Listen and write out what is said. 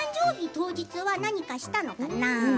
当日は何かしたのかな？